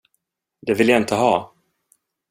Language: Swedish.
Det vill jag inte ha!